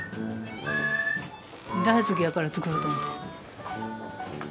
大好きやから作ろうと思って。